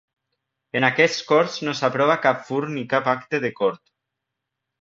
En aquestes corts no s'aprova cap fur ni cap acte de cort.